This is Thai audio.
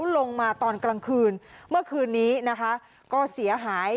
ลงมาตอนกลางคืนเมื่อคืนนี้นะคะก็เสียหาย